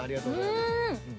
うん！